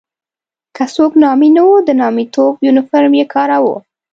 که څوک نامي نه وو او د نامیتوب یونیفورم یې کاراوه.